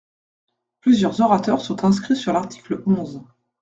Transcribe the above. Plusieurs orateurs sont inscrits sur l’article onze.